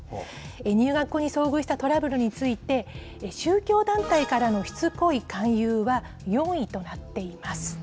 入学後に遭遇したトラブルについて、宗教団体からのしつこい勧誘は４位となっています。